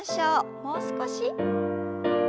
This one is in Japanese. もう少し。